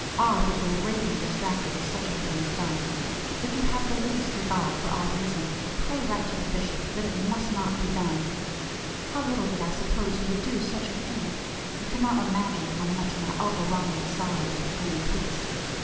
R. would go raving distracted if such a thing was done. If you have the least regard for our reason, pray write to the bishop that it must not be done. How little did I suppose you would do such a thing; you cannot imagine how much my overwhelming sorrows would be increased.